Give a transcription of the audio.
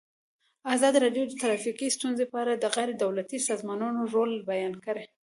ازادي راډیو د ټرافیکي ستونزې په اړه د غیر دولتي سازمانونو رول بیان کړی.